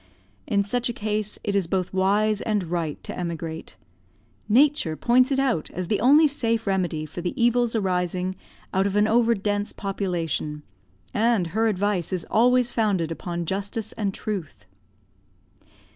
In such a case, it is both wise and right to emigrate; Nature points it out as the only safe remedy for the evils arising out of an over dense population, and her advice is always founded upon justice and truth.